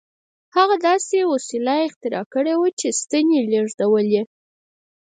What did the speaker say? هغه داسې وسیله اختراع کړې وه چې ستنې لېږدولې